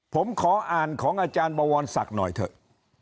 ผมขออ่านของอาจารย์บวรศักดิ์หน่อยเถอะ